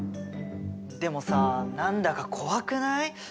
でもさあ何だか怖くない？